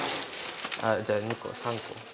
あっじゃあ２個３個。